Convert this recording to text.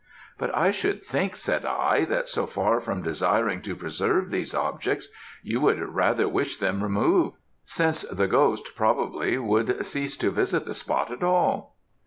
"'But I should think,' said I, 'that so far from desiring to preserve these objects, you would rather wish them removed, since the ghost would, probably, cease to visit the spot at all.'